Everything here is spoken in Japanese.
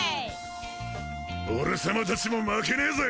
オレ様たちも負けねぜ！